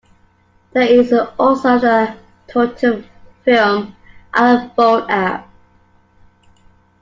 There is also a "Total Film" iPhone app.